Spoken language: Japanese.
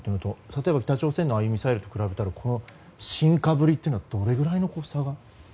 例えば北朝鮮のああいうミサイルと比べたらこの進化ぶりというのはどれぐらいの差が？